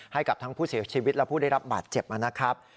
ให้กับทั้งผู้เสียชีวิตและผู้ได้รับบาดเจ็บนะครับ